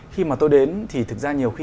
khi mà tôi đến thì thực ra nhiều khi